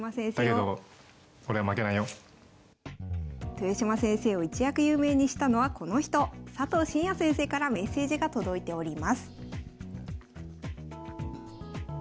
豊島先生を一躍有名にしたのはこの人佐藤紳哉先生からメッセージが届いております。